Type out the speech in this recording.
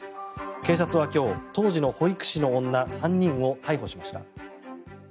警察は今日当時の保育士の女３人を逮捕しました。